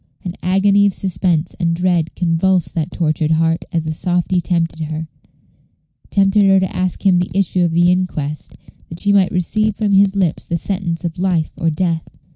An agony of suspense and dread convulsed that tortured heart as the softy tempted her tempted her to ask him the issue of the inquest, that she might receive from his lips the sentence of life or death.